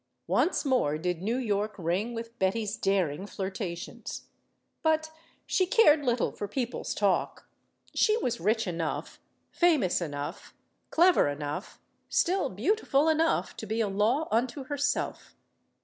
Once more did New York ring with Betty's daring flirtations. But she cared little for people's talk. She was rich enough, famous enough, clever enough, still beautiful enough to be a law unto herself.